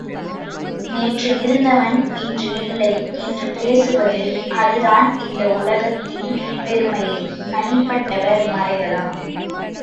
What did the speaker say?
நேற்று இருந்தவன் இன்று இல்லை என்று பேசுவது அதுதான் இந்த உலகத்தின் பெருமையே தனிப்பட்டவர் மறையலாம்.